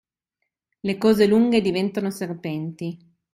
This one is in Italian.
Le cose lunghe diventano serpenti.